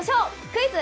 「クイズ！